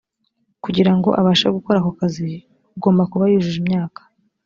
kugira ngo abashe gukora ako kazi ugomba kuba yujuje imyaka.